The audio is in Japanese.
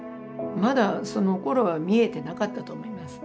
まだそのころは見えてなかったと思います。